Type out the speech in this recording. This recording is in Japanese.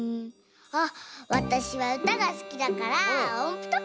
あっわたしはうたがすきだからおんぷとか？